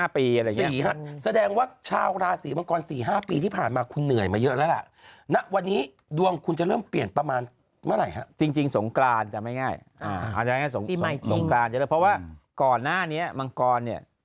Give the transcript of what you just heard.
เพราะว่าก่อนหน้านี้มังกรเนี่ย